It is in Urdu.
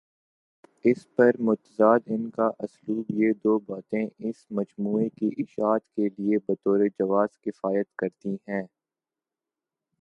اس پہ مستزاد ان کا اسلوب یہ دوباتیں اس مجموعے کی اشاعت کے لیے بطورجواز کفایت کرتی ہیں۔